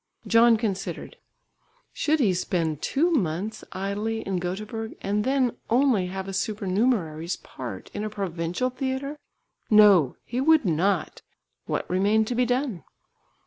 John considered: Should he spend two months idly in Göteborg and then only have a supernumerary's part in a provincial theatre? No! He would not! What remained to be done?